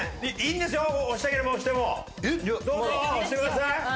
どうぞ押してください。